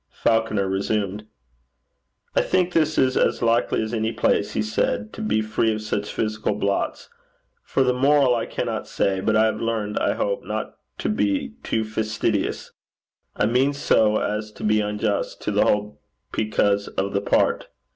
Falconer resumed. 'I think this is as likely as any place,' he said, 'to be free of such physical blots. For the moral I cannot say. But I have learned, I hope, not to be too fastidious I mean so as to be unjust to the whole because of the part.